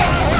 nih di situ